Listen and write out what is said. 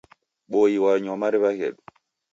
Boi wanywa mariw'a ghedu.